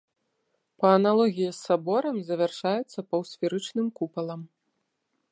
Па аналогіі з саборам завяршаецца паўсферычным купалам.